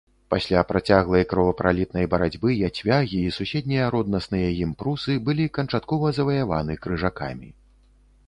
Пасля працяглай кровапралітнай барацьбы яцвягі і суседнія роднасныя ім прусы былі канчаткова заваяваны крыжакамі.